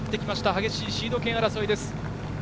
激しいシード権争いです。